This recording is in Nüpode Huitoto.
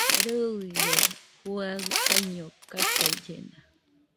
Rɨire juaɨ taiño kakaillena